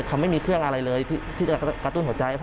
เขาไม่มีเครื่องอะไรเลยที่จะกระตุ้นหัวใจพ่อ